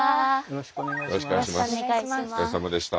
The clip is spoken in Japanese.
よろしくお願いします。